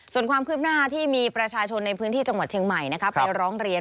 ส่วนความคืบหน้าที่มีประชาชนในพื้นที่จังหวัดเชียงใหม่ไปร้องเรียน